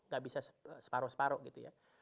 gak bisa separoh separoh gitu ya